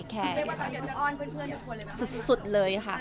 เรียกว่าตอนนี้จะอ้อนเพื่อนทุกคนเลยหรือเปล่า